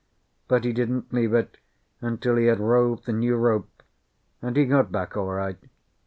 But he didn't leave it until he had rove the new rope, and he got back all right.